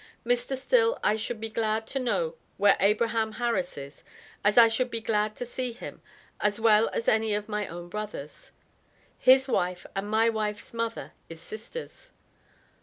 Mr. Still I should be glad to know whare Abraham Harris is, as I should be as glad to see him as well as any of my own brothers. His wife and my wife's mother is sisters.